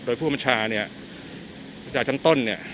โดยผู้บัญชาเนี่ยประชาชนต้นเนี่ย